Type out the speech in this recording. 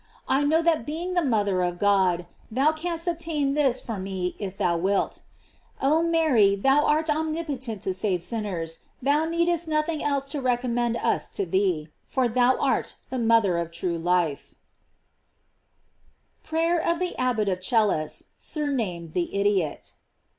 I know that, being the mother of God, thou canst obtain this for me if thou wilt. Oh Mary, thou art omnipotent to save sinners, thou needest nothing else to re commend us to thee, for thou art the mother of true life. SURNAMED THE IDIOT.